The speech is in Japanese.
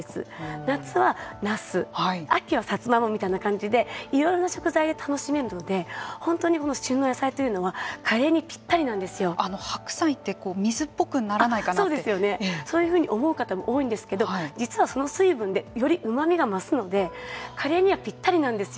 夏はナス秋はサツマイモみたいな感じでいろいろな食材で楽しめるので本当に旬の野菜というのは白菜ってそういうふうに思う方も多いんですけど実はその水分でよりうまみが増すのでカレーにはぴったりなんですよ。